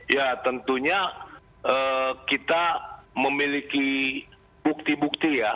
ya tentunya kita memiliki bukti bukti ya